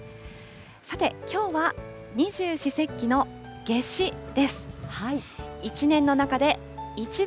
さてきょうは、二十四節気の夏至です。